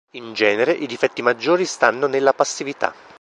In genere, i difetti maggiori stanno nella passività.